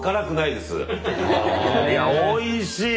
いやおいしい！